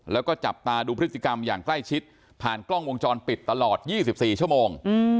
แล้วก็จับตาดูพฤติกรรมอย่างใกล้ชิดผ่านกล้องวงจรปิดตลอด๒๔ชั่วโมง